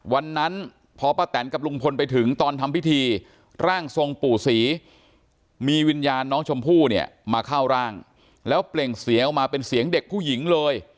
วันนั้นพอป้าแตนกับลุงพลไปถึงตอนทำพิธีร่างทรงปู่ศรีมีวิญญาณน้องชมพู่เนี่ยมาเข้าร่างแล้วเปล่งเสียงออกมาเป็นเสียงเด็กผู้หญิงเลย